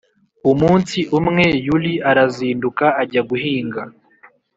umunsi umwe yuli arazinduka ajya guhinga